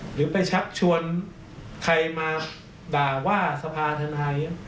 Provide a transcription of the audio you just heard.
หรือไปชักชวนใครมาด่าว่าสภาธนาย